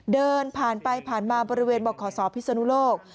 เดินผ่านไปผ่านมาบริเวณบริเวณบริขอสอบพิศนุโลก